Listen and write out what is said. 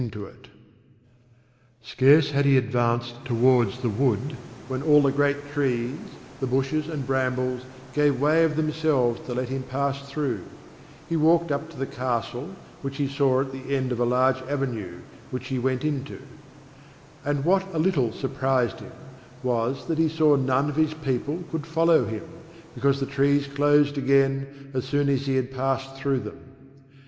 [Illustration: "THE PRINCE ENQUIRES OF THE AGED COUNTRYMAN"] Scarce had he advanced towards the wood, when all the great trees, the bushes and brambles, gave way of themselves to let him pass thro'; he walked up to the castle which he saw at the end of a large avenue which he went into; and what a little surprised him was, that he saw none of his people could follow him, because the trees closed again, as soon as he had pass'd thro' them.